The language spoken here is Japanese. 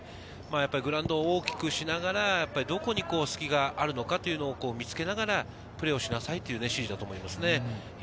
グラウンドを大きくしながら、どこに隙があるのかというのを見つけながらプレーをしなさいという指示だと思います。